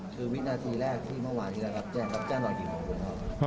คือวินาทีแรกที่เมื่อวานทีแล้วรับแจ้งรับแจ้งรออยู่หรือเปล่า